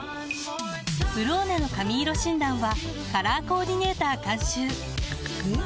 「ブローネ」の髪色診断はカラーコーディネーター監修おっ！